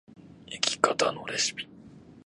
生き方のレシピ